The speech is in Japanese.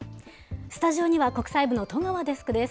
スタジオには国際部の戸川デスクです。